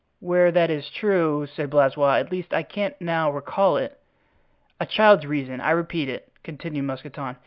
"Where, that is true," said Blaisois; "at least, I can't now recall it." "A child's reason—I repeat it," continued Mousqueton.